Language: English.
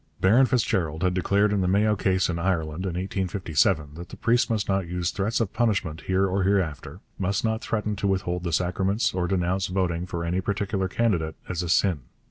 Baron Fitzgerald had declared in the Mayo case in Ireland, in 1857, that the priest must not use threats of punishment here or hereafter, must not threaten to withhold the sacraments or denounce voting for any particular candidate as a sin.